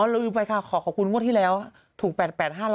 อ๋อรู้ไปค่ะขอขอบคุณว่าที่แล้วถูก๘๕๐๐ค่ะ